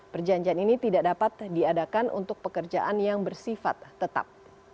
perjanjian ini tidak dapat diadakan untuk pekerjaan yang bersifat tetap